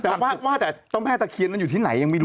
แต่ว่าแต่เจ้าแม่ตะเคียนนั้นอยู่ที่ไหนยังไม่รู้